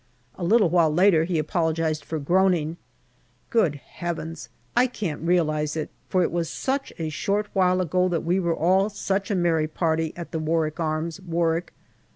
A little while later he apologized for groaning. Good heavens ! I can't realize it, for it was such a short while ago that we were all such a merry party at the " Warwick Arms," Warwick.